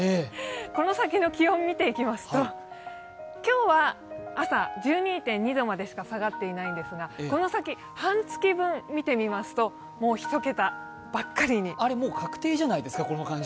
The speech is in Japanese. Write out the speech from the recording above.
この先の気温を見ていきますと、今日は朝１２．２度までしか下がっていないんですが、この先、半月分、見てみますともう、１桁ばっかりに。